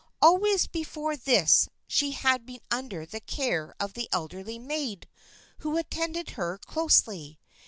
Al ways before this she had been under the care of the elderly maid, who attended her closely.